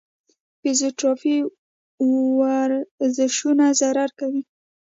فزيوتراپي ورزشونه ضرور کوي -